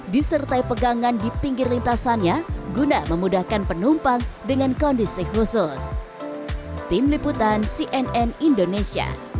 disertai pegangan di pinggir lintasannya guna memudahkan penumpang dengan kondisi khusus